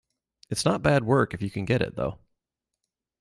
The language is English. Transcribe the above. It's not bad work if you can get it, though.